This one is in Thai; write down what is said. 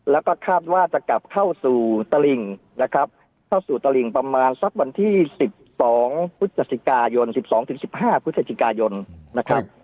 แล้วก็คาดว่าจะกลับเข้าสู่ตระหลิงนะครับเข้าสู่ตระหลิงประมาณสักวันที่สิบสองพุทธศิกายนสิบสองสิบสิบห้าพุทธศิกายนนะครับ